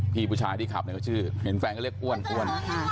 พี่ผู้ชายที่ขับเนี่ยก็ชื่อเห็นแฟนก็เรียกอ้วนอ้วน